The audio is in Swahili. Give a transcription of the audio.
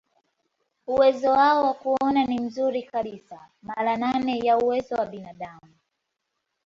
Uwezo wao wa kuona ni mzuri kabisa, mara nane ya uwezo wa binadamu.